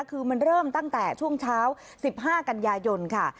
คือมันเริ่มตั้งแต่ช่วงเช้า๑๕กันยายนค่ะ